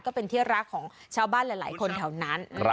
ก็เป็นที่รักของชาวบ้านหลายคนแถวนั้น